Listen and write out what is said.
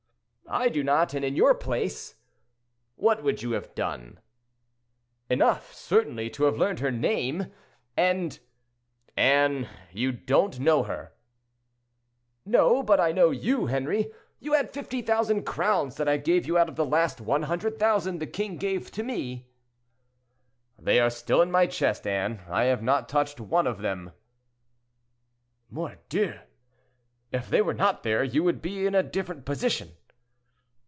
"I do not: and in your place—" "What would you have done?" "Enough, certainly, to have learned her name and—" "Anne, you don't know her." "No, but I know you, Henri. You had 50,000 crowns that I gave you out of the last 100,000 the king gave to me." "They are still in my chest, Anne; I have not touched one of them." "Mordieu! If they were not there, you would be in a different position."